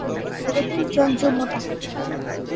এদের চঞ্চু মোটা।